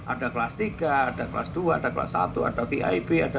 ada kelas tiga ada kelas dua ada kelas satu ada vip ada